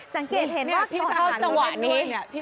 สังเกตเห็นว่าพี่เข้าจังหวะนี้